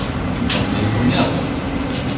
"I to mnie zdumiało."